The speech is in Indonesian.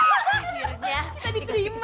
dikasih kesempatan juga